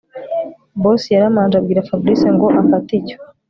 Boss yaramanje abwira Fabric ngo afate icyo